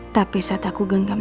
tapi saat aku genggam